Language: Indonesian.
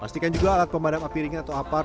pastikan juga alat pemadam api ringan atau apar